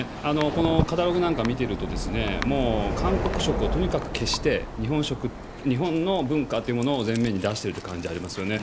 このカタログなんかを見ていると、もう韓国色をとにかく消して、日本色、日本の文化というものを前面に出してるっていう感じありますよね。